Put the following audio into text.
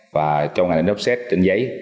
và trong ngành in offset trên giấy